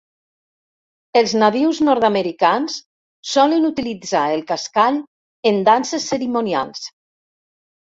Els nadius nord-americans solen utilitzar el cascall en danses cerimonials.